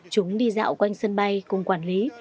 chúng đi dạo quanh sân bay cùng quản lý